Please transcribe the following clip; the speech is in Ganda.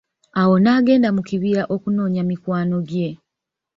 Awo naagenda mu kibira okunoonya mikwano gye.